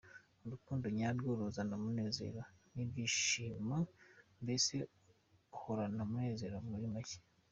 Urukundo nyarwo ruzana umunezero, ibyishimo, mbese uhorana umunezero muri make.